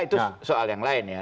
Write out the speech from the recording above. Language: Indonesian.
itu soal yang lain ya